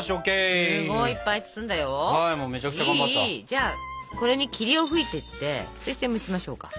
じゃあこれに霧を吹いてってそして蒸しましょうか。